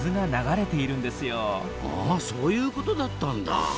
あそういうことだったんだ。